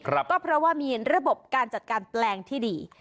ก็เพราะว่ามีระบบการจัดการแปลงที่ดี